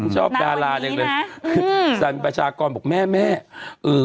ชอบดาราเนี่ยเลยสรรพชากรบอกแม่